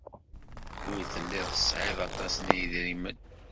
Ur telliḍ tesɛiḍ aṭas n yedrimen.